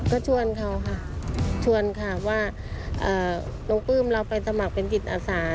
ก็ชวนเขาค่ะชวนค่ะว่าลุงปลื้มเราไปสมัครเป็นจิตอาสา